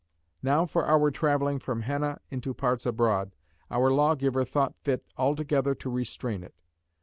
Now for our travelling from henna into parts abroad, our Lawgiver thought fit altogether to restrain it.